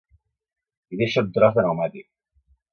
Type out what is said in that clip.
Hi deixa un tros de pneumàtic.